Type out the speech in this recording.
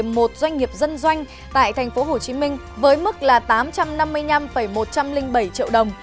một doanh nghiệp dân doanh tại tp hcm với mức là tám trăm năm mươi năm một trăm linh bảy triệu đồng